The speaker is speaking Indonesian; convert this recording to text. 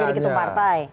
udah lama jadi ketua partai